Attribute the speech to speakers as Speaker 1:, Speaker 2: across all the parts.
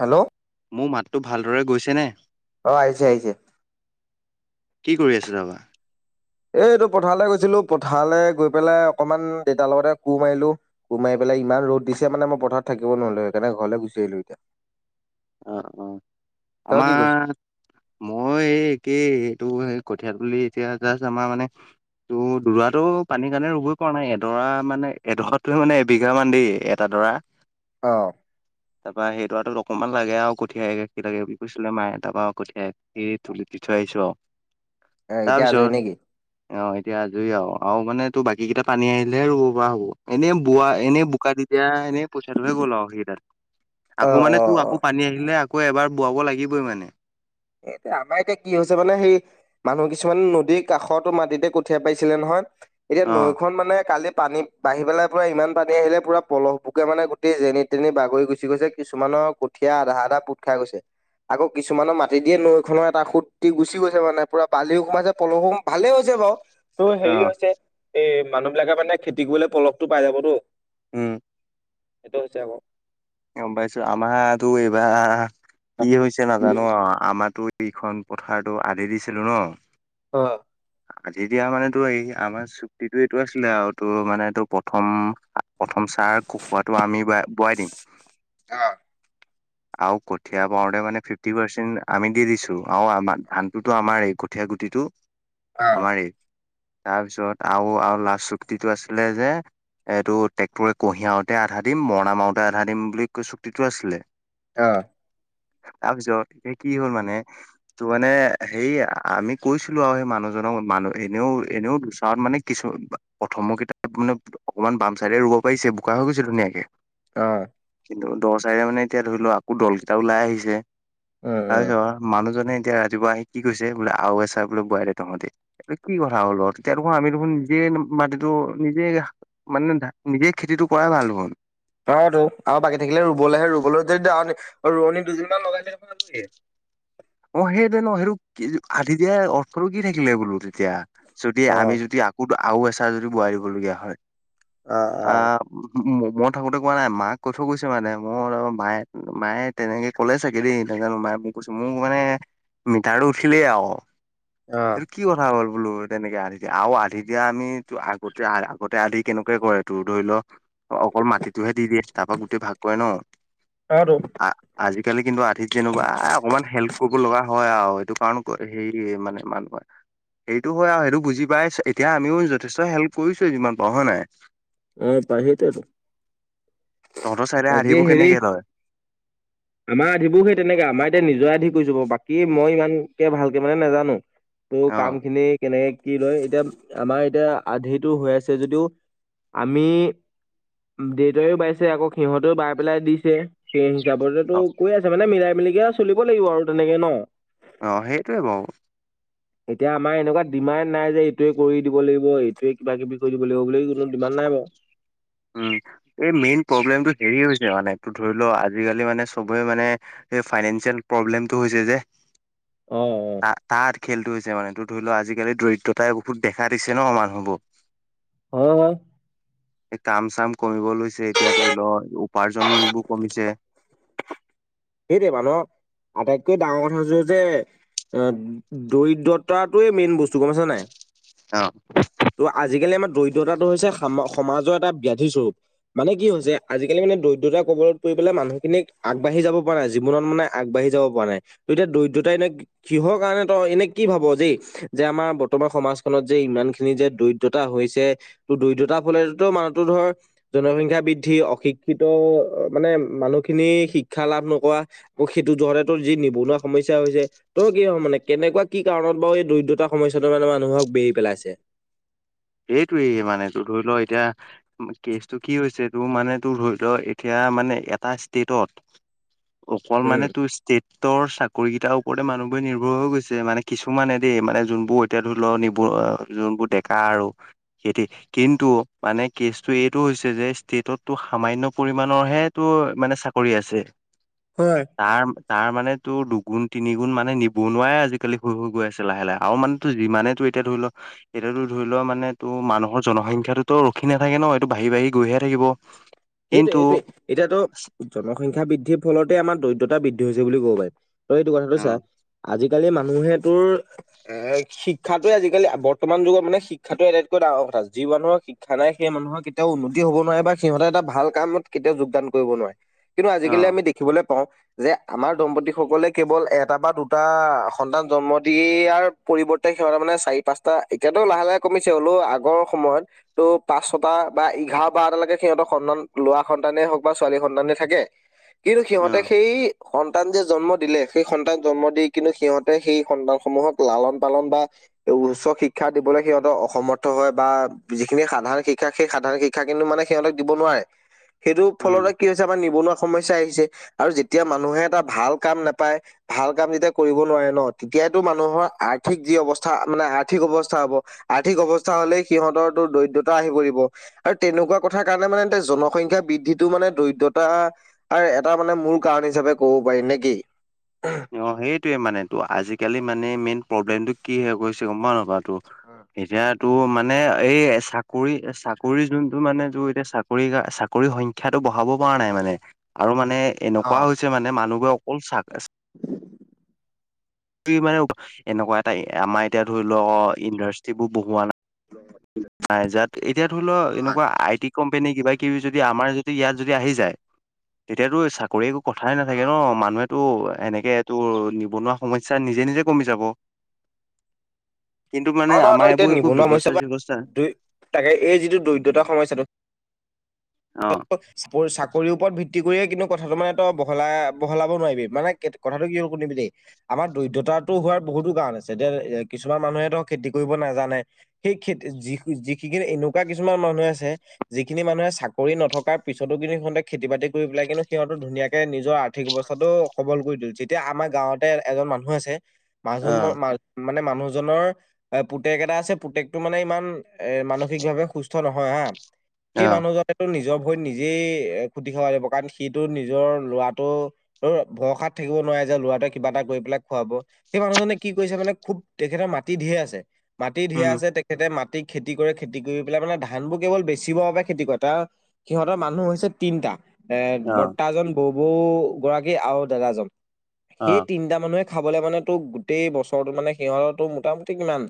Speaker 1: Hello.
Speaker 2: মোৰ মাতটো ভালদৰে গৈছেনে।
Speaker 1: অ' আহিছে আহিছে।
Speaker 2: কি কৰি আছিলা বা?
Speaker 1: এই এইটো পথাৰলে গৈছিলোঁ পথাৰলে গৈ পেলাই অকমান দেতাৰ লগতে কোৰ মাৰিলোঁ। কোৰ মাৰি পেলাই ইমান ৰ'দ দিছে মানে মই পথাৰত থাকিব নোৱাৰিলো, সেইকাৰণে ঘৰলো গুচি আহিলো এতিয়া।
Speaker 2: অ'অ'
Speaker 1: তই কি কৈছ
Speaker 2: আমাৰ মই এই একেই এইটো কঠীয়া তুলি এতিয়া জাষ্ট আমাৰ মানে তোৰ দোবাটো পানীৰ কাৰণে ৰুৱই পৰা নাই এডৰা মানে এডখতে মানে এবিঘা মান দেই এটা ডৰা। [inaudible]
Speaker 1: অ'।
Speaker 2: তাপা সেইডৰাটোত অকমান লাগে আৰু কঠিয়া একাশী লাগে বুলি কৈছিলে মায়ে তাৰ পৰা কঠিয়া একাশী তুলি দি থৈ আহিছো আউ
Speaker 1: এতিয়া
Speaker 2: তাৰপিছত
Speaker 1: আজৰি নেকি
Speaker 2: অ এতিয়া আজৰি আউ আউ মানে তোৰ বাকী কেইটা পানী আহিলেহে ৰুৱ পৰা হ'ব এনেই বোৱা এনেই বোকা দি তিয়া এনেই পইচাটোহে গ'ল আৰু সেইগেটাত।
Speaker 1: অ
Speaker 2: আকৌ মানে
Speaker 1: অ
Speaker 2: তোৰ
Speaker 1: অ
Speaker 2: আকৌ পানী আহিলে আকৌ এবাৰ বোৱাব লাগিবই মানে।
Speaker 1: এতিয়া আমাৰ এতিয়া কি হৈছে মানে সেই মানুহ কিছুমানে নদীৰ কাষতো মাটিতে কঠীয়া পাইছিলে নহয়, এতিয়া
Speaker 2: অ',
Speaker 1: নৈখন মানে কালি পানী বাঢ়ি পেলাই পুৰা ইমান পানী আহিলে পুৰা পলসবুকে মানে গোটেই যেনি তেনি বাগৰি গুচি গৈছে কিছুমানৰ কঠিয়া আধা - আধা পোট খাই গৈ আকৌ কিছুমানৰ মা [unintelligible] কাষেদিয়ে নৈখনৰ এটা সোতদি গুচি গৈছে মানে পুৰা বালিও সোমাইছে পলসো ভালেই হৈছে বাৰু। ত' হেৰি
Speaker 2: অ',
Speaker 1: হৈছে এই মানুহ বিলাকে মানে খেতি কৰিলে পলসটো পাই যাবতো।
Speaker 2: উম,
Speaker 1: সেইটো হৈছে আকৌ।
Speaker 2: গম পাইছো আমাৰতো এইবাৰ কি হৈছে নাজানো আৰু আমাৰতো ইখন পথাৰতো আধি দিছিলো ন।
Speaker 1: অ,
Speaker 2: আধি দিয়া মানেটো এই আমাৰ চুক্তিটো এইটো আছিলে আৰু তোৰ মানে এইটো প্ৰথম প্ৰথম চাৰ কুকুৰাটো আমি বোৱাই দিম। [unintelligible]
Speaker 1: অ',
Speaker 2: আৰু কঠীয়া পাওঁতে মানে ফিফটি পাৰ্চেণ্ট আমি দি দিছো আৰু আমাৰ ধানটোতো আমাৰ এই কঠীয়া গুটিটো।
Speaker 1: অ',
Speaker 2: আমাৰেই তাৰপিছত আৰু আৰু লাষ্ট চুক্তিটো আছিলে যে এইটো ট্ৰেক্টৰে কঢ়িয়াওঁতে আধা দিম মৰণা মাৰোতে আধা দিম বুলি কৈ চুক্তিটো আছিলে।
Speaker 1: অ',
Speaker 2: তাৰ পিছত এই কি হ'ল মানে তোৰ মানে সেই আমি কৈছিলো আৰু সেই মানুহজনক মানুহ এনেও - এনেও বিচৰাত মানে কিছু প্ৰথমৰ কেইিতাপ [unintelligible] মানে অকণমান বাম চাইডে ৰুব পাৰিছে বোকা হৈ গৈছে ধুনীয়াকে।
Speaker 1: অ',
Speaker 2: কিন্তু দ চাইডে মানে এতিয়া ধৰি লও আকৌ দল কেইটা ওলাই আহিছে।
Speaker 1: উম,
Speaker 2: তাৰ
Speaker 1: উম।
Speaker 2: পিছ মানুহজনে এতিয়া ৰাতিপুৱা আহি কি কৈছে বোলে আও এ চা বোলে বোৱাই দে তহঁতি। কি কথা হ'ল তেতিয়া দেখোন আমি দেখোন নিজে মাটিতো নিজে মানে ধ নিজে খেতিটো কৰাই ভাল হ [unintelligible]
Speaker 1: অ, তো আৰু বাকী থাকিলে ৰুবলৈ আহে ৰুবলৈ যদি ৰোৱনী দুদিনমান লগাই থাকে।
Speaker 2: অ, সেইটোৱে ন সেইটো আধি দিয়া অৰ্থটো কি থাকিলে বোলো তেতিয়া যদি
Speaker 1: অ
Speaker 2: আমি যদি কুতো আ এচাৰ যদি বোৱই দিবলগীয়া হয় আহ, মই থাকোতে কোৱা নাই মাক কৈ থৈ গৈছে মানে মই মায়ে - মায়ে তেনেকে ক'লে চাগেদিন তেনে মাই মোক কৈছো মোক মানে মিটাৰটো উঠিলেই আৰু।
Speaker 1: অ',
Speaker 2: এইটো কি কথা হ'ল বোলো তেনেকৈ আধি দিয়া আৰু আধি দিয়া আমিতো আগতে আগতে আধি কেনেকৈ কৰে তোৰ ধৰি ল অকল মাটিটোহে দি দিয়ে তাৰপা গোটেই ভাগ কৰে ন?
Speaker 1: আৰু টোক
Speaker 2: আ আজিকালি কিন্তু আধিত যেনোবা অকমান হেল কৰিবব লগা হয় আৰু এইটো কাৰণ হেৰি মানে ইান কয় [unintelligible] সেইটো হয় আৰু সেইটো বুজি পাই এতিয়া আমিও যথেষ্ট হেল্প কৰিছোৱয়েই যিমান পাৰো হয় নাই।
Speaker 1: অ অ পা সেইটোৱেতো
Speaker 2: তহঁতৰ চাইডে
Speaker 1: বাকী
Speaker 2: আধিবোৰ
Speaker 1: হেৰি
Speaker 2: কেনেকে লয়? [inaudible]
Speaker 1: আমাৰ আধিবোৰ সেই তেনেকে আমাৰ এতিয়া নিজৰে আধি কৰিছো বাকী মই ইমানকে ভালকে মানে নাজানো। মোৰ'
Speaker 2: অ
Speaker 1: কাম খিনি কেনেকে কি লয় এতিয়া আমাৰ এতিয়া আধিটো হৈ আছে যদিও আমি দেউতাৰও বাইছে আকৌ সিহঁতেও বাই পেলাই দিছে। সেই হিচাপতেতো
Speaker 2: অ
Speaker 1: কৈ আছে মানে মিলাই মিলিকে চলিব লাগিব আৰু তেনেকে ন?
Speaker 2: অ, সেইটোৱে বাৰু।
Speaker 1: এতিয়া আমাৰ এনেকুৱা ডিমাণ্ড নাই যে, এইটোৱে কৰি দিব লাগিব এইটোৱে কিবা কিবি কৰি দিব লাগিব বুলি্। মোৰ ডিমান নাই বাৰু।
Speaker 2: উম' এই মেইন প্ৰব্লেমটো হেৰি হৈছে মানেটো ধৰি লওঁ আজিকালি মানে চবেই মানে এই ফাইনেঞ্চিয়েল প্ৰব্লেমটো হৈছে যে-
Speaker 1: অহ' অহ'।
Speaker 2: তা তাত খেলটো হৈছে মানে এইটো ধৰি ল, আজিকালি দৰিদ্ৰতাই বহুত দেখা দিছে ন' মানুহবোৰ। -
Speaker 1: হয়, হয়।
Speaker 2: কাম চাম কৰিব লৈছে এতিয়া ধৰি লওঁ উপাৰ্জন বোৰ কমিছে।
Speaker 1: সেইটোৱে মানুহৰ আটাইতকৈ ডাঙৰ [unintelligible] যে এ- দৰিদ্ৰতাটোয়ে মেইন বস্তু গম পাইছনে নাই?
Speaker 2: অহ'
Speaker 1: ত' আজিকালি আমাৰ দৰিদ্ৰতাটো হৈছে স-সমাজৰ এটা ব্যাধি স্বৰূপ। মানে কি হৈছে আজিকালি মানে দৰিদ্ৰতা কবলত পৰি পেলাই মানুহখিনিক আগবাঢ়ি যাব পৰা নাই জীৱনত মানে আগবাঢ়ি যাব পৰা নাই। ত' এতিয়া দৰিদ্ৰতা এনেই কিহৰ কাৰণে তই এনে কি ভাব যেই? যে আমাৰ বৰ্তমান সমাজখনত যে ইমান খিনি যে দৰিদ্ৰতা হৈছে ত' দৰিদ্ৰতাৰ ফলেতো মানুহতো ধৰ জনসংখ্যা বৃদ্ধি অশিক্ষিত মানে মানুহখিনি শিক্ষা লাভ ন' কোৱা সেইটো জৰাতৰ যি নিবনুৱা সমস্যা হৈছে। তই কি মানে কেনেকুৱা কি কাৰণত বাৰু এই দৰিদ্ৰতা সমস্যাটো মানে মানুহক বেৰি পেলাইছে?
Speaker 2: এইটোয়ে মানে তোৰ ধৰি লওঁ এতিয়া কেচটো কি হৈছে তোৰ মানে তোৰ ধৰি ল' এতিয়া মানে এটা ষ্টেটত অকল
Speaker 1: উম।
Speaker 2: মানে তোৰ ষ্টেট। তোৰ চাকৰি কেইটাৰ ওপৰতে মানুহবোৰে নিৰ্ভৰ হৈ গৈছে, মানে কিছুমানে দেই মানে যোনবোৰ তেতিয়া ধৰি ল' নিবোৰ যোনবোৰ ডেকা আৰু সিহতি কিন্তু মানে কেচটো এইটো হৈছে যে, ষ্টেটতো সামান্য পৰিমানৰহে টো মানে চাকৰি আছে।
Speaker 1: হয়।
Speaker 2: তাৰ-তাৰ মানে তোৰ দুগুণ, তিনি গুণ মানে নিবনুৱাই আজিকালি হৈ হৈ গৈ আছে লাহে লাহে আৰু মান টোৰ যিমানেটো এতিয়া ধৰি ল' এতিয়াতো ধৰি ল' মানে তোৰ মানুহৰ জনসংখ্যাটোতো ৰখি নাথাকে নহ, এইটো বাঢ়ি বাঢ়ি গৈহে থাকিব। কিন্তু
Speaker 1: সেইটোৱে-এইটোৱে এতিয়াতো জনসংখ্যা বৃদ্ধিৰ ফলতে আমাৰ দৰিদ্ৰতা বৃদ্ধি হৈছে বুলি কব পাৰি। তই এইটো কথাটো
Speaker 2: অ
Speaker 1: চা, আজিকালি মানুহে তোৰ এ শিক্ষাতোয়ে আজিকালি আক বৰ্তমান যুগত মানে শিক্ষাটো আটাইতকৈ ডাঙৰ কথা [unintelligible] খানাই সেই মানুহৰ কেতিয়াও উন্নতি হ'ব নোৱাৰে বা সিহঁতে এটা ভাল কামত কেতিয়াও যোগদান কৰিব নোৱাৰে কিন্তু
Speaker 2: অ
Speaker 1: আজিকালি আমি দেখিবলৈ পাওঁ যে আমাৰ দম্পতি সকলে কেৱল এটা বা দুটা সন্তান জন্ম দিয়াৰ পৰিৱৰ্তে সিহঁতৰ মানে চাৰি পাঁচটা এতিয়াতো লাহে লাহে কমিছে, হ'লেওঁ আগৰ সময়ত- ত' পাঁচশটা বা এঘাৰটালৈকে সিহঁতক, সন্তান ল'ৰা সন্তানে হওঁক বা ছোৱালী সন্তানে থাকে কিন্তু
Speaker 2: অ
Speaker 1: সিহঁতে সেই সন্তান যে জন্ম দিলে, সেই সন্তান জন্ম দি কিন্তু সিহঁতে সেই সন্তান সমূহক লালন পালন বা, উচ্চ শিক্ষা দিবলৈ সিহঁতৰ অসমৰ্থ হয়, বা যিখিনি সাধাৰণ শিক্ষা সেই সাধাৰণ শিক্ষ, শিক্ষা কিন্তু মানে সিহঁতক দিব নোৱাৰে, সেইটো
Speaker 2: উম
Speaker 1: ফলত কি হৈছে আমাৰ নিবনুৱা সমস্যা আহিছে। আৰু যেতিয়া মানুহে এটা ভাল কাম নাপায়, ভাল কাম যেতিয়া কৰিব নোৱাৰে ন' তেতিয়াতো মানুহৰ আৰ্থিক যি অৱস্থা মানে আৰ্থিক অৱস্থা হব, আৰ্থিক অৱস্থা হ'লে সিহঁতৰো দৰিদ্ৰতা আহি পৰিব, আৰু তেনেকুৱা কথা কাৰণে মানে এয়া জনসংখ্যা বৃদ্ধিটো মানে দৰিদ্ৰতা আৰু এটা মানে মূল কাৰণ হিচাপে ক'ব পাৰি নে কি?
Speaker 2: অ', সেইটোয়ে মানেতো। আজিকালি মানে মেইন প্ৰব্লেমটো কি হৈ গৈছে গম পোৱা নোপোৱা! টো এতিয়া টো মানে এই চাকৰি, চাকৰি যোনটো মানে টো এতিয়া চাকৰি চাকৰি সংখ্যাটো বঢ়াব পৰা নাই মানে আৰু মানে
Speaker 1: অ
Speaker 2: এনেকুৱা হৈছে মানে মানুহবোৰে অকল চা
Speaker 1: [inaudible]
Speaker 2: [unintelligible] এনেকুৱা এটা, আমাৰ এতিয়া ধৰি ল' ইণ্ডাষ্ট্ৰীবোৰ বহুৱোৱা নাই নাই, যাত এতিয়া ধৰি ল'
Speaker 1: হয়।
Speaker 2: এনেকুৱা আই টি কোম্পানী কিবা কিবি আমাৰ যদি ইয়াত যদি আহি যায়, তেতিয়াটো চা কৰিব কথাই নাথাকে ন' মানুহে এনেকে তোৰ নিবনুৱা সমস্যা নিজে, নিজে কমি যাব। কিন্তু
Speaker 1: অ
Speaker 2: মানে
Speaker 1: নহয় তই
Speaker 2: আমাৰ
Speaker 1: এতিয়া
Speaker 2: এইবোৰ একো
Speaker 1: নিবনুৱা সমস্যা
Speaker 2: ব্যৱস্থা
Speaker 1: বা
Speaker 2: চৱস্থা
Speaker 1: দুই তাকে এই যিটো দৰিদ্ৰতা সমস্যাটো
Speaker 2: [inaudible]
Speaker 1: [inaudible] চাকৰিৰ ওপৰত ভিত্তি কৰিয়ে কিন্তু কথাটো মানে ত' বহলা, বহলাব নোৱাৰিবি। মানে কথাটো কি হ'ল শুনিবি দেই! আমাৰ দৰিদ্ৰতাটো হোৱাৰ বহুতো কাৰণ আছে। এতিয়া এ, কিছুমান মানুহেতো ধৰ খেতি কৰিব নাজানে। সেই খেতি যি-যিখিখিনি এনেকুৱা কিছুমান মানুহ আছে যিখিনি মানুহে চাক কৰি নথকাৰ পিছতো কিন্তু সিহঁতে খেতি বাতি কৰি পেলাই, কিন্তু সিহঁতৰ ধুনীয়াকৈ নিজৰ আৰ্থিক অৱস্থাটো সবল কৰি তোলে। যেতিয়া আমাৰ গাঁৱতে এজন মানুহ আছে মানু
Speaker 2: অ
Speaker 1: মানে মানুহজনৰ পুতেক এটা আছে, পুতেকটো মানে ইমান এ, মানসিকভাৱে সুস্থ নহয় হা!
Speaker 2: অ
Speaker 1: সেই মানুহজনেটো নিজৰ ভৰিত নিজেই খুটি খাব লাগিব, কাৰণ সিটো নিজৰ ল'ৰাটো- ত' ভৰসাত থাকিব নোৱাৰে যে ল'ৰাটোৱে কিবা এটা কৰি পেলাই খুৱাব। সেই মানুহজনে কি কৰিছে, মানে খুব তেখেতৰ মাটি ঢেৰ আছে। মাটি ঢেৰ
Speaker 2: উম
Speaker 1: আছে, তেখেতে মাটিত খেতি কৰে। খেতি কৰি পেলাই মানে ধানবোৰ কেৱল বেচিবৰ বাবে খেতি কৰে তাৰ সিহঁতৰ মানুহ হৈছে তিনটা। এ,
Speaker 2: অ
Speaker 1: বৰ্তাজন ববৌ গৰাকী আৰু দাদাজন।
Speaker 2: অ
Speaker 1: সেই তিনিটা মানুহে খাবলে মানে তো গোটেই বছৰৰতো মানে সিহঁতৰ তো মোটামুটি কিমান!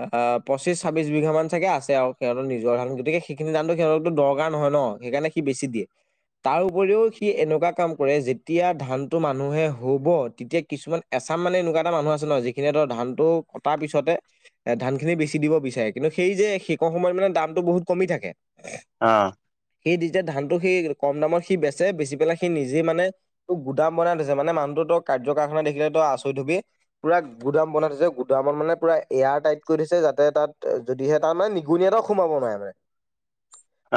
Speaker 1: আ' আ' পঁচিশ ছাব্বিশ বিঘা মান চাগে আছে আৰু। সিহঁতৰ নিজৰ ধান গতিকে সেইখিনি ধানটো সিহতো দৰ কাৰ নহয় ন' সেইকাৰণে সি বেছি দিয়ে। তাৰ উপৰিও সি এনেকুৱা কাম কৰে, যেতিয়া ধানতটো মানুহে হ'ব তেতিয়া কিছুমান এছাম মানে এনেকুৱা এটা মানুহ আছে ন যিখিনিয়ে ধৰ ধানটো কাৰ পিছতে এ, ধান খিনি বেছি দিব বিচাৰে। কিন্তু সেই যে সেইকণ সময়ত মানে দামটো বহুত কমি থাকে।
Speaker 2: অ'।
Speaker 1: সেই তেতিয়া ধানটো সি কম দামত সি বেছে। বেচি পেলাই সি নিজে মানে তোক গুদাম বনাই থৈছে, মানে মানুহটো তই কাৰ্য কাৰখানা দেখিলে তই আচৰিত হ'বি। পুৰা গুদাম বনাই থৈছে। গুদামত মানে পুৰা এয়াৰ টাইট কৰি থৈছে, যাতে তাত যদিহে তাৰমানে নিগুনি এটাও সোমাব নোৱাৰা মানে।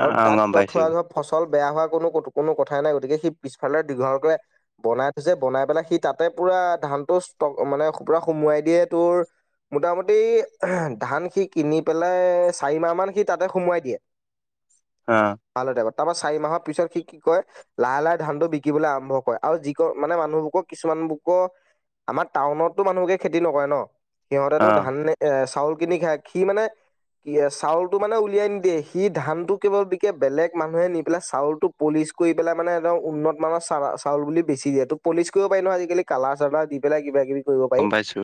Speaker 1: আৰু
Speaker 2: অ
Speaker 1: তাত
Speaker 2: গম
Speaker 1: তই
Speaker 2: পাইছো
Speaker 1: থোৱা ধোৱা ফচল বেয়া হোৱা কোনো কোনো কথাই নাই, গতিকে সি পিছফালে দীঘলকৈ বনাই থৈছে, বনাই পেলাই সি তাতে পুৰা ধানটো ষ্টক মানে পুৰা সোমোৱাই দিয়ে তোৰ মোটামুটি ধান সি কিনি পেলাই, চাৰিমাহ মান সি তাতে সোমোৱাই দিয়ে।
Speaker 2: হম।
Speaker 1: ভাল হৈ থাকক। তাৰপা চাৰিমাহৰ পিছত সি কি কয় লাহে লাহে ধানটো বিকিবলৈ আৰম্ভ কৰে আৰু যিক মানে মানুহবোৰাক কিছুমানবোৰক আমাৰ টাউনতো মানুহকে খেতি নকৰে ন'
Speaker 2: অ
Speaker 1: সিহঁতেতো ধানে এ, চাউল কিনি খাই, সি মানে কি চাউলটো মানে উলিয়াই নিদিয়ে সি ধানটো কেৱল বিকে বেলেগ মানুহে নি পেলাই চাউলটো পলিচ কৰি পেলাই মানে একদম উন্নত মানৰ চা-চাউল বুলি বেচি দিয়ে টোক পলিচ কৰিব পাৰি নহয় আজিকালি, কালাৰ চালাৰ দি পেলাই কিবা কিবি কৰিব পাৰি
Speaker 2: গম পাইছো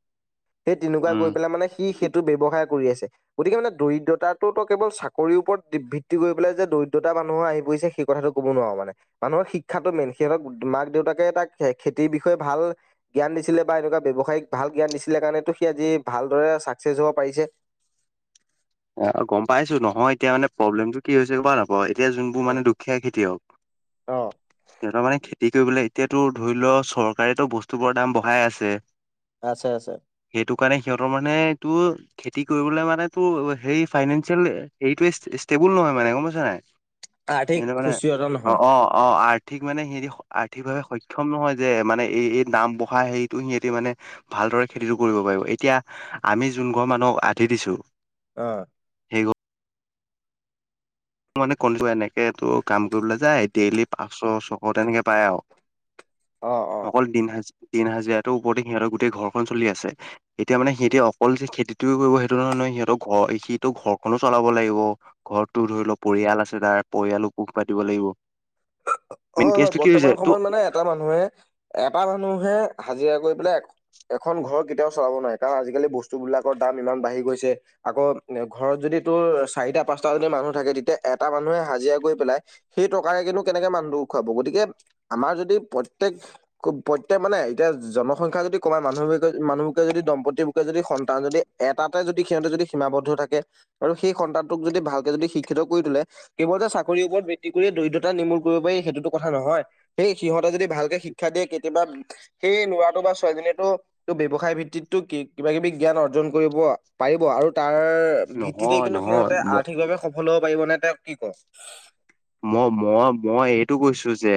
Speaker 1: সেই তেনেকুৱা
Speaker 2: উম
Speaker 1: কৰি পেলাই মানে সি সে টো ব্যয়ৱসায় কৰি আছে গতিকে মানে দৰিদ্ৰতাটো কেৱল চাকৰিৰ ওপৰত [unintelligible] খেতি কৰি পেলাই যে দৰিদ্ৰতা মানুহৰ আহি পৰিছে সেই কথাটো ক'ব নোৱাৰ মানে। মানুহৰ শিক্ষাটো মেইন, সিহঁতক মাক দেউতাকে তাক খেতিৰ বিষয়ে ভাল জ্ঞান দিছিলে বা এনেকুৱা ব্যৱসায়িক ভাল জ্ঞান দিছিলে কাৰণেতো সি আজি ভালদৰে ছাকচে হ'ব পাৰিছে।
Speaker 2: অ' গম পাইছোঁ নহয় এতিয়া মানে প্ৰব্লেমটো কি হৈছে গম পাওঁ নাই? অ' এতিয়া যোনবোৰ মানে দুখীয়া খেতিয়ক
Speaker 1: অ
Speaker 2: সিহঁতৰ মানে খেতি কৰিবলৈ, এতিয়াতো ধৰি লও চৰকাৰেতো বস্তুবোৰৰ দাম বঢ়াই আছে
Speaker 1: আছে আছে।
Speaker 2: সেইটো কাৰণে সিহঁতৰ মানে টো, খেতি কৰিবলে মানে তোৰ সেই ফাইনেনচিয়েল এইটোৱে ষ্টেবুল নহয় মানে গম পাইছ নাই।
Speaker 1: আৰ্থিক
Speaker 2: [unintelligible]
Speaker 1: সুস্থিৰতা
Speaker 2: অ',
Speaker 1: নহয়
Speaker 2: অ', অ' আৰ্ট আৰ্থিক মানে সিহঁতি আৰ্থিকভাৱে সক্ষম নহয় যে মানে এই এই দাম বঢ়াই হেৰিটো সিহঁতি মানে ভালদৰে খেতিটো কৰিব পাৰিব, এতিয়া আমি যোন ঘৰ মানুহক আধি দিছোঁ
Speaker 1: অ'।
Speaker 2: হে গ মানে কনডি এনেকে তোৰ কাম কৰিবলৈ যাই, ডেইলি পাঁচশ ছশ তেনেকে পায় আৰু। [unintelligible]
Speaker 1: অ', অ'।
Speaker 2: অকল দিন হাজ, দিন হাজিৰাটোৰ ওপৰতে সিহঁতৰ গোটেই ঘৰখন চলি আছে। এতিয়া মানে সিহঁতি অকল যে খেতিটো কৰিব সেইটো নহয় ন' সিহঁৰ ঘৰ সিটো ঘৰখনো চলাব লাগিব। ঘৰটো ধৰি লওক পৰিয়াল আছে তাৰ, পৰিয়ালো পুখ পাতিব লাগিব। মেইন
Speaker 1: হয় হয়
Speaker 2: কেছটো কি হৈছে
Speaker 1: বৰ্তমান
Speaker 2: তো
Speaker 1: সময়ত মানে এটা মানুহে, এটা মানুহে হাজিৰা কৰি পেলাই এখন ঘৰ কেতিয়াও চলাব নোৱাৰে কাৰণ আজিকালি বস্তুবিলাকৰ দাম ইমান বাঢ়ি গৈছে। আকৌ এ, ঘৰত যদি তোৰ চাৰিটা পাঁচটা যদি মানুহ থাকে তেতিয়া এটা মানুহে হাজিৰা কৰি পেলাই সেই টকাৰে কিন্তু কেনেকে মানুহটোক খুৱাব গতিকে আমাৰ যদি প্ৰত্যেক প্ৰত্যেক মানে এতিয়া জনসংখ্যা যদি কমাই মানুহবুকে মানুহবোকে যদি দম্পত্তি বোকে যদি সন্তান যদি এটাতে যদি সিহঁতে যদি সীমাবদ্ধ থাকে আৰু সেই সন্তানটোক যদি ভালকে যদি শিক্ষিত কৰি তোলে কেৱল যে চাকৰি ওপৰত তিত্তি কৰি দৰিদ্ৰতা নিৰ্মূল কৰিব পাৰি সেইটো টো কথা নহয়, সেই সিহঁতে যদি ভালকে শিক্ষা দিয়ে কেতিয়াবা সেই ল'ৰাটো বা ছোৱালীজনীটো তো ব্যৱসায় ভিত্তিতটো কিবা কিবি জ্ঞান অৰ্জন কৰিব পাৰিব আৰু তাৰ ভিত্তিতে
Speaker 2: নহয়
Speaker 1: কিন্তু সিহঁতে
Speaker 2: নহয়
Speaker 1: আৰ্থিকভাৱে সফল হ'ব পাৰিব নে তেওঁ কি কয়?
Speaker 2: ম-ম-মই এইটো কৈছোঁ যে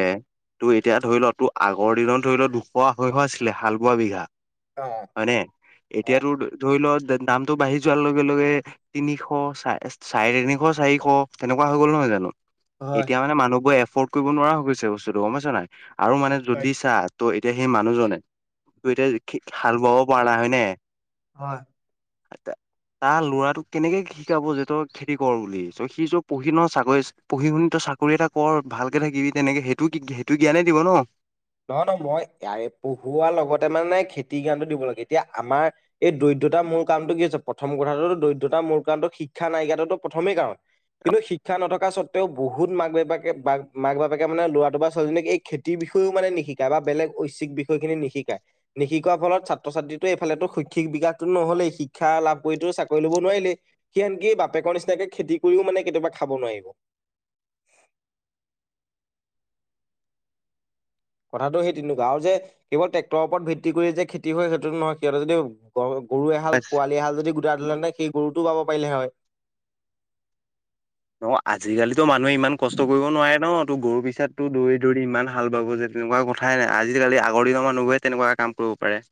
Speaker 2: তো এতিয়া ধৰি ল তো আগৰ দিনত ধৰি ল দুশ আঢ়ৈশ আছিলে হাল বোৱা বিঘা
Speaker 1: অ'।
Speaker 2: হয়নে,
Speaker 1: হয়,
Speaker 2: এতিয়াতো ধৰি লও দামটো বাঢ়ি যোৱাৰ লগে লগে তিনিশ চা-চাৰে তিনিশ চাৰিশ তেনেকুৱা হৈ গ'ল নহয় জানো।
Speaker 1: হয়,
Speaker 2: এতিয়া মানে মানুহবোৰে এফৰ্ড কৰিব নোৱাৰা হৈ গৈছে বস্তুটো গম পাইছা নাই আৰু মানে যদি চা ত' এতিয়া সেই মানুহজনে ত' এতিয়া হাল বোৱাব পৰা নাই হয়নে।
Speaker 1: হয়
Speaker 2: আটাা [inaudible] তাৰ ল'ৰা তোক কেনেকে শিকাব যে তই খেতি কৰ বুলি ত সি য পঢ়ি ন চাকৰি পঢ়ি শুনি তই চাকৰি এটা কৰ ভালকে থাকিবি তেনেকে হেটো কি হেটো জ্ঞানে দিব ন।
Speaker 1: নহৈ নহৈ মই ইাৰে পঢ়োৱাৰ লগতে মানে খেতি জ্ঞানটো দিব লাগে এতিয়া আমাৰ এই দৰিদ্ৰতা মূল কাৰণটো কি আছে প্ৰথম কথাটোতো দৰিদ্ৰতা মূল কাৰণটো শিক্ষা নাইকিয়াতটো প্ৰথমেই কাৰণ। কিন্তু শিক্ষা নথকা স্বত্ত্বেও বহুত মাক বাপে বা মাক বাপেকে মানে ল'ৰাটো বা ছোৱালীজনীক এই খেতিৰ বিষয়েও মানে নিশিকায় বা বেলেগ ঐশ্বিক বিষয় খিনি নিশিকায়। নিশিকোৱাৰ ফলত ছাত্ৰ ছাত্ৰীএইফালেটো শৈক্ষিক বিকাশতো নহলেই শিক্ষা লাভ কৰিটো চাকৰি লব নোৱাৰিলেই। সি আনকি বাপেকৰ নিচিনাকে খেতি কৰিও মানে কেতিয়াবা খাব নোৱাৰিব। কথাটো সেই তেনেকুৱা আৰু যে কেৱল ট্ৰেক্টৰৰ ওপৰত ভিত্তি কৰি যে খেতি হয় সেইটোতো নহয় সিহঁতে যদি গ গৰু এহাল পোৱালি এহাল যদি গোটাই থলে সেই গৰু টোও পাব পাৰিলে হয়
Speaker 2: ন আজিকালিতো মানুহে ইমান কষ্ট কৰিব নোৱাৰে ন তো গৰু পিছাততো দৌৰি দৌৰি ইমান হাল বাব যে। তেনেকুৱা কথাই নাই আজিকালি আগৰ দিনৰ মানুহবোৰে তেনেকুৱা কাম কৰিব পাৰে